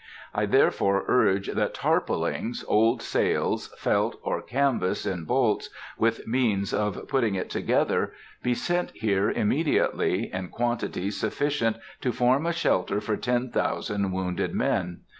I therefore urge that tarpaulings, old sails, felt, or canvas in bolts, with means of putting it together, be sent here immediately, in quantities sufficient to form a shelter for ten thousand wounded men.